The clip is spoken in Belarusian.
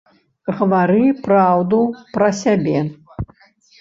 Гавары праўду пра сябе.